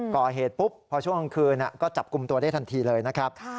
ก่อเหตุปุ๊บพอช่วงกลางคืนก็จับกลุ่มตัวได้ทันทีเลยนะครับ